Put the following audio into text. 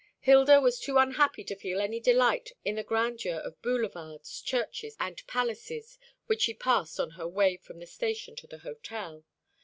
Hilda was too unhappy to feel any delight in the grandeur of Boulevards, churches, and palaces, which she passed on her way from the station to the hotel.